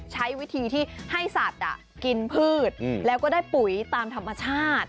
ใช้วิธีที่ให้สัตว์กินพืชแล้วก็ได้ปุ๋ยตามธรรมชาติ